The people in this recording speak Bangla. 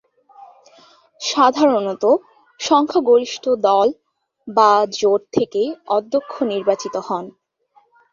সাধারণত সংখ্যাগরিষ্ঠ দল বা জোট থেকেই অধ্যক্ষ নির্বাচিত হন।